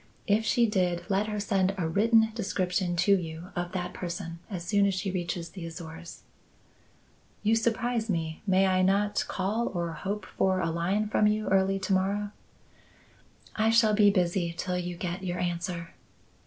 If she did, let her send a written description to you of that person as soon as she reaches the Azores." "You surprise me. May I not call or hope for a line from you early to morrow?" "I shall be busy till you get your answer."